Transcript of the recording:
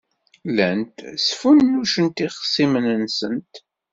Llant sfunnucent ixṣimen-nsent.